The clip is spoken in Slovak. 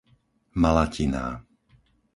Malatiná